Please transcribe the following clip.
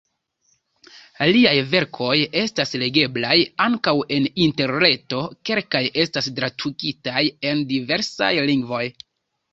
Liaj verkoj estas legeblaj ankaŭ en interreto, kelkaj estas tradukitaj al diversaj lingvoj.